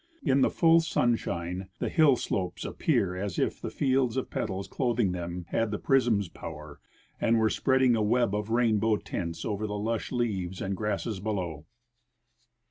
In the full sunshine, the hill slopes appear as if the fields of petals clothing them had the prism's poAver, and Avere spreading a web of rainboAV tints over the lush leaves and grasses below.